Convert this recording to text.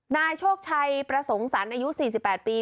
นายโชคชัยประสงค์สรรค์อายุ๔๘ปี